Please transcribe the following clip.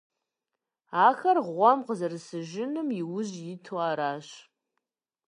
Ахэр гъуэм къызэрысыжынум и ужь иту аращ.